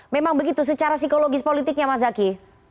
memang begitu secara psikologis politiknya mas zaky